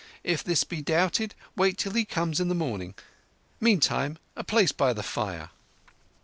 "If this be doubted, wait till he comes in the morning. Meantime, a place by the fire."